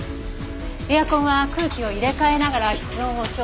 エアコンは空気を入れ替えながら室温を調整するもの。